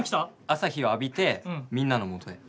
「朝日を浴びてみんなのもとへ」。